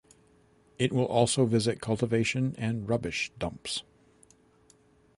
It will also visit cultivation and rubbish dumps.